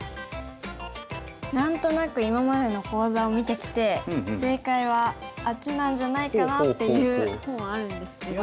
何となく今までの講座を見てきて正解はあっちなんじゃないかなっていう方はあるんですけど。